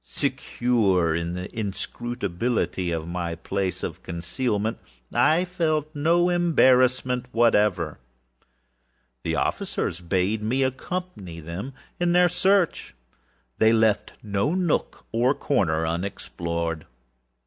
Secure, however, in the inscrutability of my place of concealment, I felt no embarrassment whatever. The officers bade me accompany them in their search. They left no nook or corner unexplored.